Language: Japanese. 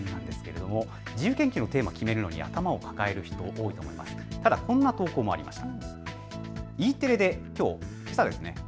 自由研究のテーマを決めるのに頭を抱える人、多くいますがこんな投稿もありました。